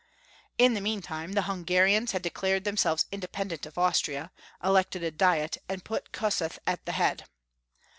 In the meantime the Hungarians had declared themselves independent of Austria, elected a Diet, and put Kossuth at the head.